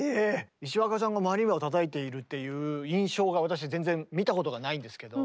石若さんがマリンバをたたいているっていう印象が私全然見たことがないんですけど。